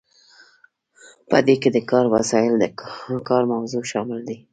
په دې کې د کار وسایل او د کار موضوع شامل دي.